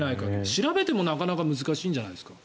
調べてもなかなか難しいんじゃないですか。